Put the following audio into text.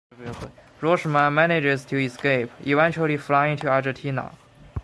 Roschmann manages to escape, eventually flying to Argentina.